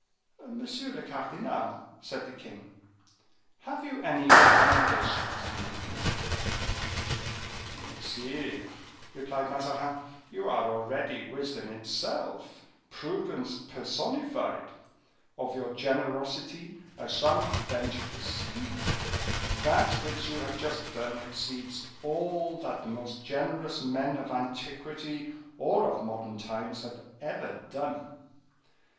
"Monsieur le cardinal," said the king, "have you any recommendations to make me?" "Sire," replied Mazarin, "you are already wisdom itself, prudence personified; of your generosity I shall not venture to speak; that which you have just done exceeds all that the most generous men of antiquity or of modern times have ever done."